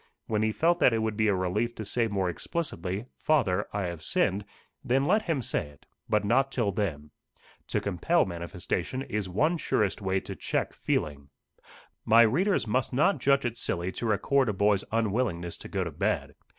When he felt that it would be a relief to say more explicitly, "Father, I have sinned," then let him say it; but not till then. To compel manifestation is one surest way to check feeling. My readers must not judge it silly to record a boy's unwillingness to go to bed.